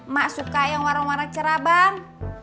mak suka yang warna wara cerah bang